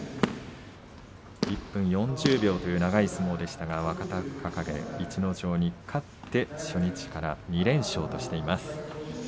１分４０秒という長い相撲で若隆景、逸ノ城を打って初日から２連勝です。